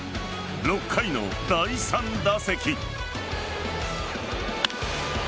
６回の第３打席。